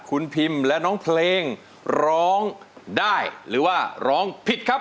คุณพิมและน้องเพลงร้องได้หรือว่าร้องผิดครับ